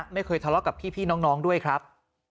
ไม่เคยทะเลาะกับพี่น้องด้วยครับ